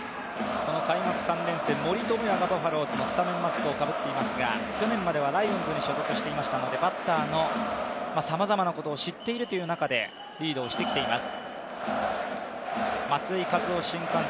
開幕３連戦、森友哉がスタメンのマスクをかぶっていますが、去年まではライオンズに所属していましたのでバッターのさまざまなことを知っているという中でリードをしてきています。